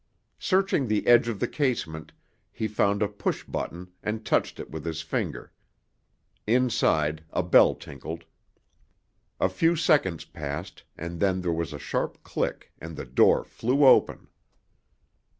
Searching the edge of the casement, he found a push button and touched it with his finger. Inside, a bell tinkled. A few seconds passed, and then there was a sharp click and the door flew open.